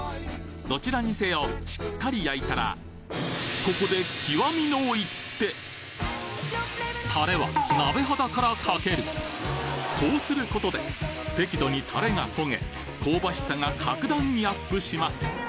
どちらにせよしっかり焼いたらここでタレは鍋肌からかけるこうすることで適度にタレが焦げ香ばしさが格段にアップします